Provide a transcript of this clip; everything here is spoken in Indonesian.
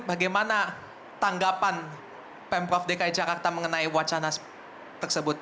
bagaimana tanggapan pemprov dki jakarta mengenai wacana tersebut